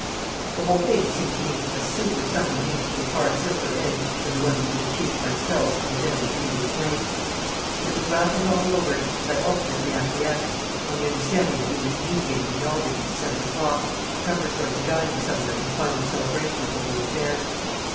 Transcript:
The whole thing seemed to me a super subtle means to a far simpler end than the one we had achieved by stealth in the dead of the previous night. But it was Raffles all over and I ultimately acquiesced, on the understanding that we were to meet again in the Albany at seven o'clock, preparatory to dining somewhere in final celebration of the whole affair.